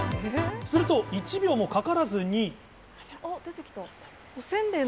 すると、１秒もかからずに。